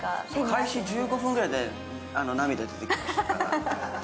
開始１５分ぐらいで涙出てきますからね。